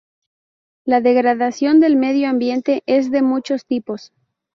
La degradación del medio ambiente es de muchos tipos.